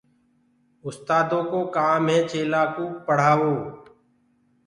اُستآدو ڪو ڪآم هي چيلآ ڪو پڙهآوو